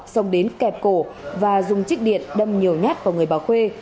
xông đến kẹp cổ và dùng trích điện đâm nhiều nhát vào người bà khuê